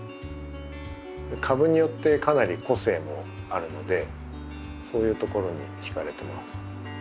株によってかなり個性もあるのでそういうところに惹かれてます。